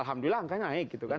alhamdulillah angkanya naik gitu kan